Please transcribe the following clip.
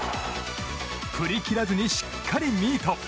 振り切らずに、しっかりミート。